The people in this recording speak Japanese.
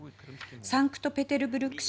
サンクトペテルブルク